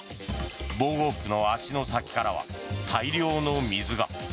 防護服の足の先からは大量の水が。